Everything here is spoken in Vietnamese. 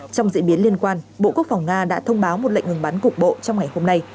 trong diễn biến liên quan bộ quốc phòng nga đã thông báo một lệnh ngừng bắn cục bộ trong ngày hôm nay